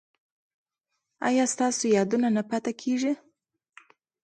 ایا ستاسو یادونه نه پاتې کیږي؟